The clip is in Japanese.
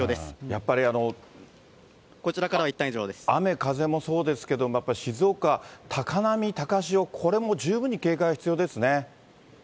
やっぱり雨、風もそうですけど、静岡、高波、高潮、これも十分に警戒が必要ですね。